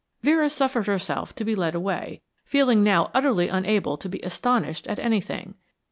Vera suffered herself to be led away, feeling now utterly unable to be astonished at anything.